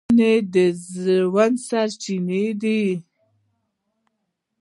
ونې د ژوند سرچینه ده.